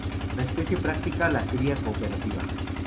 La especie practica la cría cooperativa.